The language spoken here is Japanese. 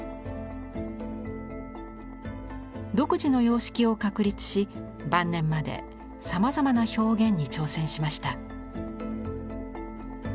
独自の様式を確立し晩年までさまざまな表現に挑戦しました。